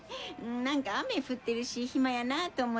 何か雨降ってるし暇やなあと思って。